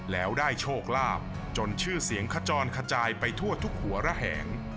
แล้วได้โชคลาภจนชื่อเสียงขจรขจายไปทั่วทุกหัวระแหง